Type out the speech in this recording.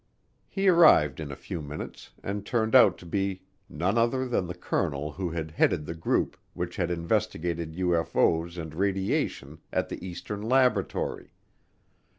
He arrived in a few minutes and turned out to be none other than the colonel who had headed the group which had investigated UFO's and radiation at the eastern laboratory.